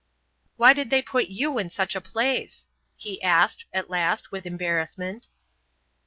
"Why did they put you in such a place?" he asked at last with embarrassment.